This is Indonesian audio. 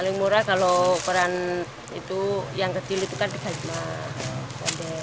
paling murah kalau peran itu yang kecil itu kan dikaitkan